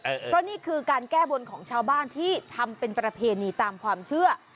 เพราะนี่คือการแก้บนของชาวบ้านที่ทำเป็นประเพณีตามความเชื่อ